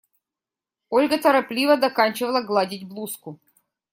Ольга торопливо доканчивала гладить блузку.